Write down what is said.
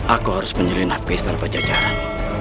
aku harus menyelinap ke istana pajajaran